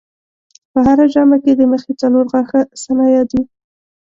په هره ژامه کې د مخې څلور غاښه ثنایا دي.